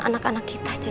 anak anak kita cicek